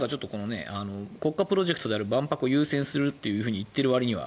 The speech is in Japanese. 国家プロジェクトである万博を優先すると言っているわりには